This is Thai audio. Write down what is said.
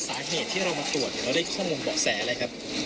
สาเหตุที่เรามาตรวจเราได้ข้อมูลเบาะแสอะไรครับ